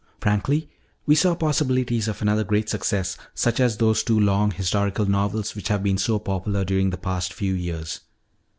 Frankly, we saw possibilities of another great success such as those two long historical novels which have been so popular during the past few years.